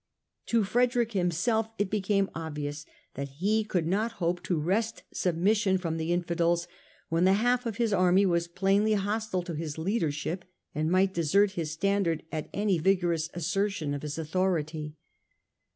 To Frederick himself it became obvious that he could not hope to wrest submission from the Infidels when the half of his army was plainly hostile to his leadership and might desert his standard at any vigorous assertion of his authority.